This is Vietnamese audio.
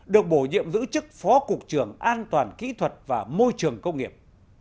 được bổ nhiệm giữ chức phó cục trưởng an toàn kỹ thuật và môi trường công nghiệp